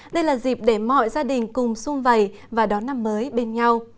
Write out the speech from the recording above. đây là dịp để mọi gia đình cùng xung vầy và đón năm mới bên nhau